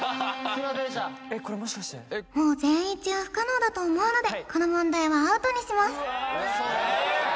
もう全員一致は不可能だと思うのでこの問題はアウトにしますええ！